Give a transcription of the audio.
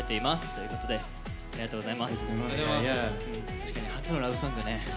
確かに初のラブソングね。